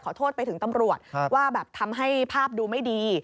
โทษไปถึงตำรวจว่าแบบทำให้ภาพดูไม่ดี